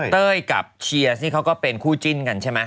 เต้ยกับเชียร์นี่เขาก็เป็นคู่จิ้นกันใช่ไหม